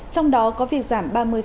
trong đó có việc giảm ba mươi